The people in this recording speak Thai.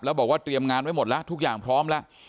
แล้วบอกว่าเตรียมงานไว้หมดแล้วทุกอย่างพร้อมแล้ว